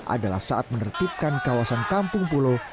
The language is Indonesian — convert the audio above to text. adalah saat menertibkan kawasan kampung pulau